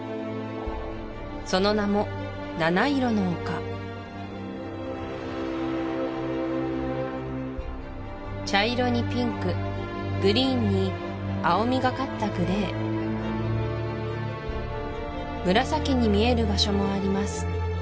その名も７色の丘茶色にピンクグリーンに青みがかったグレー紫に見える場所もあります